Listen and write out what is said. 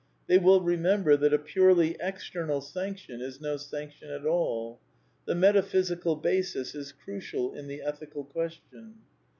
They wiU remember that a purely external sanc tion is no sanction at all. The metaphysical basis is crucial in the ethical question.